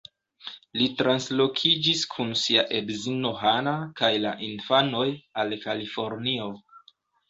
Li translokiĝis kun sia edzino Hana kaj la infanoj al Kalifornio.